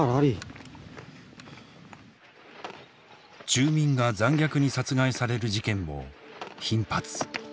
住民が残虐に殺害される事件も頻発。